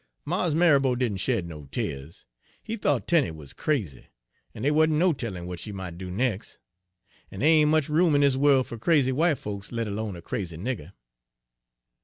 Mars Marrabo did'n shed no tears. He thought Tenie wuz crazy, en dey wa'n't no tellin' w'at she mought do nex'; en dey ain' much room in dis worl' fer crazy w'ite folks, let 'lone a crazy nigger.